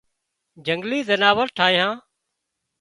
جنگلِي زناور ٺاهيان